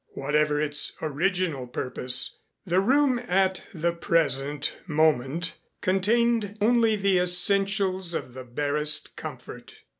Whatever its original purpose the room at the present moment contained only the essentials of the barest comfort.